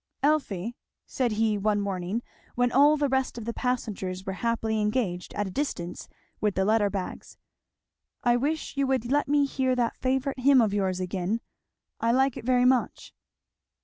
"Elfie," said he one morning when all the rest of the passengers were happily engaged at a distance with the letter bags, "I wish you would let me hear that favourite hymn of yours again, I like it very much."